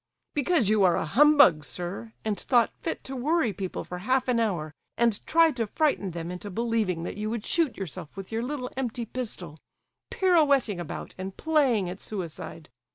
"Because you are a humbug, sir; and thought fit to worry people for half an hour, and tried to frighten them into believing that you would shoot yourself with your little empty pistol, pirouetting about and playing at suicide!